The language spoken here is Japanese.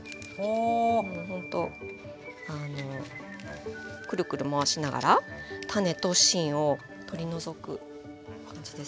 ほんとくるくる回しながら種と芯を取り除く感じです。